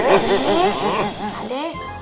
disini air pade